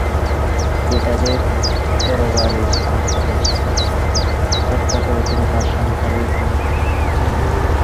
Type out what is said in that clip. পিতাদের তরবারীর আঘাতে হত্যা করছেন আর সন্তানদের অনাহারে মারছেন।